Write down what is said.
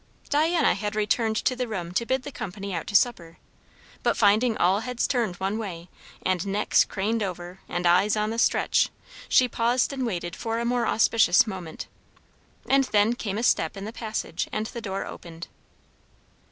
Diana had returned to the room to bid the company out to supper; but finding all heads turned one way, and necks craned over, and eyes on the stretch, she paused and waited for a more auspicious moment. And then came a step in the passage and the door opened.